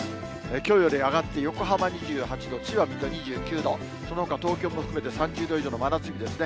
きょうより上がって、横浜２８度、千葉、水戸２９度、そのほか、東京も含めて３０度以上の真夏日ですね。